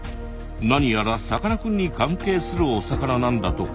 何やらさかなクンに関係するお魚なんだとか。